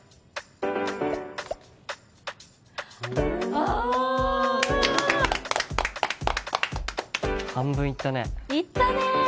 あ半分いったねいったね